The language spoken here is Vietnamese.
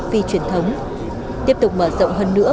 phi truyền thống tiếp tục mở rộng hơn nữa